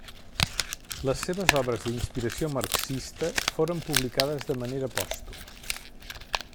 Les seves obres d'inspiració marxista foren publicades de manera pòstuma.